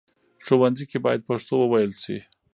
ښوونځي کې بايد پښتو وويل شي.